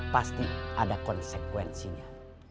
pasti ada konsekuensinya